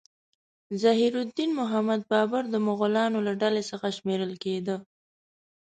ظهیر الدین محمد بابر د مغولانو له ډلې څخه شمیرل کېده.